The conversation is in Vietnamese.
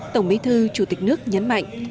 tổng bí thư chủ tịch nước nhấn mạnh